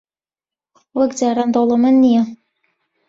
وەک جاران دەوڵەمەند نییە.